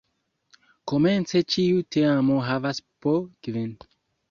Komence ĉiu teamo havas po kvin.